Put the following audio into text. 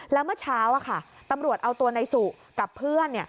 แล้วเมื่อเช้าตำรวจเอาตัวนายสุกับเพื่อน